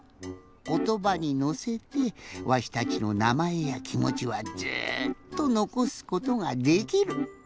ことばにのせてわしたちのなまえやきもちはずっとのこすことができる。